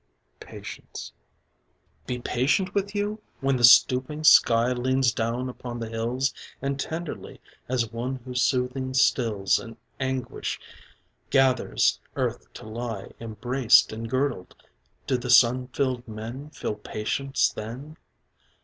Patience Be patient with you? When the stooping sky Leans down upon the hills And tenderly, as one who soothing stills An anguish, gathers earth to lie Embraced and girdled. Do the sun filled men Feel patience then?